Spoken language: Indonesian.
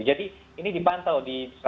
jadi ini dipantau